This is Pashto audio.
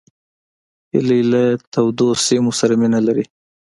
هیلۍ له تودو سیمو سره مینه لري